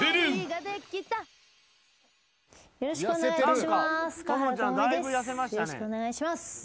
よろしくお願いします。